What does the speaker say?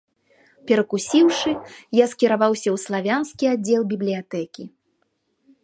Перакусіўшы, я скіраваўся ў славянскі аддзел бібліятэкі.